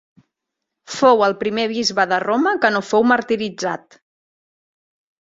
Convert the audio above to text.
Fou el primer bisbe de Roma que no fou martiritzat.